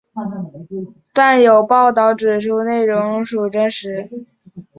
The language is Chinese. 但有报导指出内容属真实。